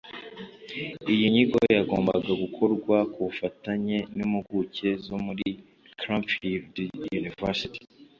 iyi nyigo yagombaga gukorwa kubufatanye n’impuguke zo muri cranfield university